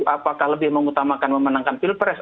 apakah lebih mengutamakan memenangkan pilpres